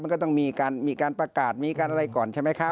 มันก็ต้องมีการประกาศมีการอะไรก่อนใช่ไหมคะ